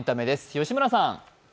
吉村さん。